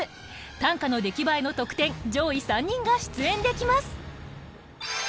短歌の出来栄えの得点上位３人が出演できます。